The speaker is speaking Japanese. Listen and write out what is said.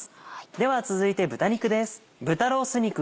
では続いて豚肉です。